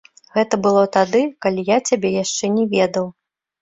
Гэта было тады, калі я цябе яшчэ не ведаў.